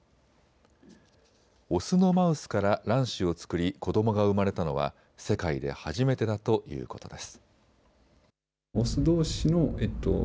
オスのマウスから卵子を作り子どもが生まれたのは世界で初めてだということです。